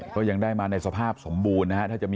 ก็ยังได้มาในสภาพสมบูรณ์นะฮะ